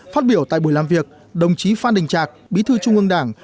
phát biểu tại buổi làm việc đồng chí phan đình trạc bí thư trung ương đảng